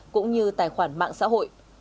cũng như tài khoản mạng xã hội